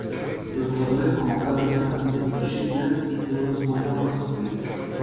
Los jugadores convocados son nacidos en Shetland y todos juegan para su liga.